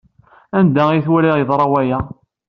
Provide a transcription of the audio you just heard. Anda ay twala yeḍra waya?